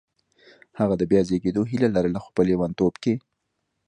هغه د بیا زېږېدو هیله لرله خو په لېونتوب کې